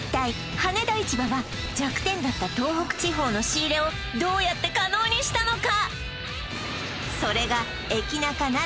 羽田市場は弱点だった東北地方の仕入れをどうやって可能にしたのか？